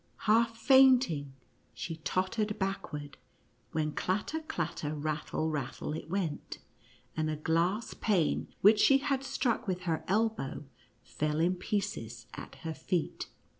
Half fainting, she tottered backward, when clatter — clatter — rattle — rattle it went — and a glass pane which she had struck with her elbow fell in pieces at her feet.